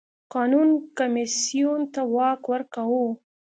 قانون کمېسیون ته واک ورکاوه.